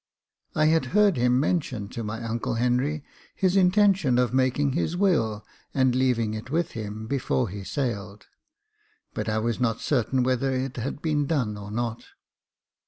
I had heard him mention to my uncle Henry his intention of making his will, and leaving it with him before he sailed j but I was not certain whether it had been done or not.